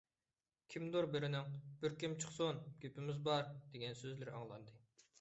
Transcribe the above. كىمدۇر بىرىنىڭ: «بىر كىم چىقسۇن، گېپىمىز بار!» دېگەن سۆزلىرى ئاڭلاندى.